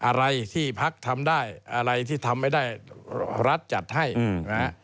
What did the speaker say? อะไรที่พักทำได้อะไรที่ทำไม่ได้รัฐจัดให้นะฮะ